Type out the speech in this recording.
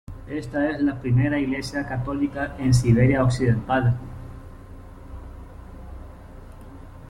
Esta es la primera iglesia católica en Siberia occidental.